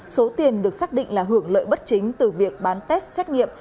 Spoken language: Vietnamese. số tiền được xác định là hưởng lợi bất chính từ việc bán test xét nghiệm